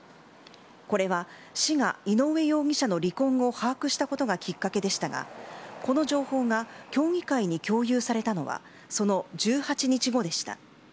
これは、市が井上容疑者の離婚を把握したことがきっかけでしたがこの情報が協議会に共有されたのはその１８日後でした。